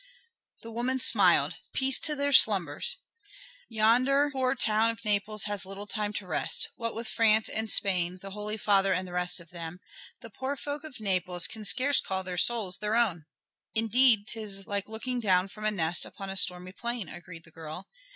The woman smiled. "Peace to their slumbers. Yonder poor town of Naples has little time to rest! What with France and Spain, the Holy Father and the rest of them, the poor folk of Naples can scarce call their souls their own." "Indeed 'tis like looking down from a nest upon a stormy plain," agreed the girl.